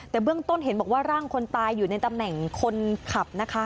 แต่เบื้องต้นเห็นบอกว่าร่างคนตายอยู่ในตำแหน่งคนขับนะคะ